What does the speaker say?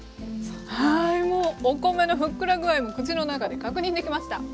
はいもうお米のふっくら具合も口の中で確認できました。